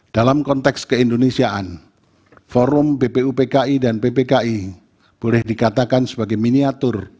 dalam konteks keindonesiaan forum bpupki dan ppki boleh dikatakan sebagai miniatur